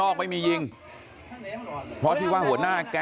โอ้โหยังไม่หยุดนะครับ